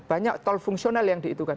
banyak tol fungsional yang dihitungkan